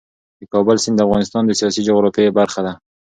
د کابل سیند د افغانستان د سیاسي جغرافیې برخه ده.